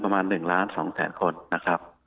ประมาณ๑ล้าน๒แสนคนนะครับ